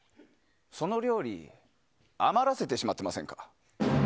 その料理余らせてしまっていませんか？